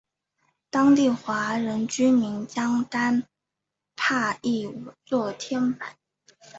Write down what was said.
当地华人居民将坦帕译作天柏。